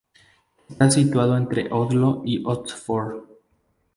Está situado entre Oslo y Østfold.